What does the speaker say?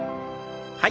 はい。